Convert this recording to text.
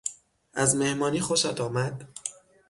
از مهمانی خوشت آمد؟